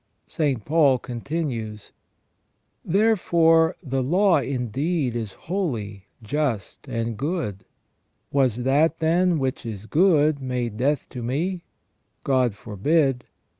St. Paul continues :" Therefore the law indeed is holy, just, and good. Was that, then, which is good made death to me? God forbid.